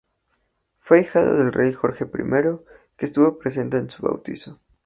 Fue ahijado del rey Jorge I, que estuvo presente en su bautizo.